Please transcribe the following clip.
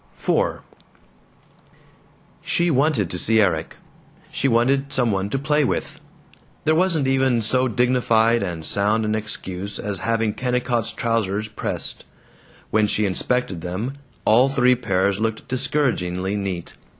IV She wanted to see Erik. She wanted some one to play with! There wasn't even so dignified and sound an excuse as having Kennicott's trousers pressed; when she inspected them, all three pairs looked discouragingly neat.